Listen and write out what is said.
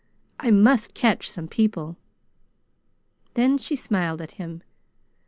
I must catch some people!" Then she smiled at him.